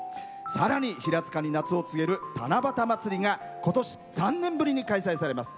さらに平塚市に夏を告げる七夕まつりがことし３年ぶりに開催されます。